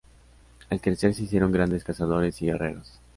Al crecer se hicieron grandes cazadores y guerreros.